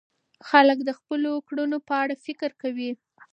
خلک د خپلو کړنو په اړه فکر کوي.